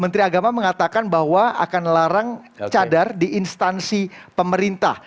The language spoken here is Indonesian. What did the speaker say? menteri agama mengatakan bahwa akan larang cadar di instansi pemerintah